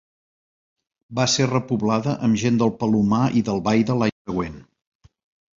Va ser repoblada amb gent del Palomar i d'Albaida l'any següent.